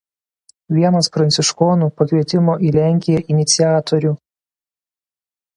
Vienas pranciškonų pakvietimo į Lenkiją iniciatorių.